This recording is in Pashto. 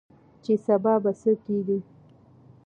چې سبا به څه کيږي؟